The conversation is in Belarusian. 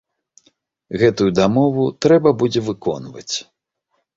Гэтую дамову трэба будзе выконваць.